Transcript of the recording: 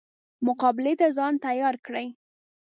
مقابلې ته ځان تیار کړي.